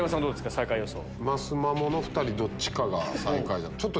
最下位予想。